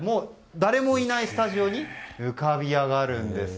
誰もいないスタジオに浮かび上がるんです。